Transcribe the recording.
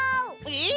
えっ！